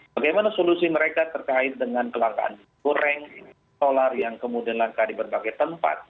bagaimana solusi mereka terkait dengan kelangkaan goreng solar yang kemudian langka di berbagai tempat